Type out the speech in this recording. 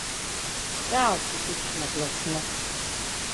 Ҿаалҭит иԥшәма дласны.